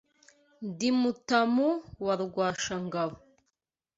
Ndi Mutamu wa Rwasha ngabo